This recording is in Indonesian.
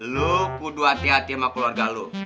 lu kudu hati hati sama keluarga lo